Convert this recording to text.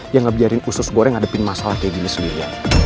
yang ngebiarin usus goreng ngadepin masalah kayak gini sendiri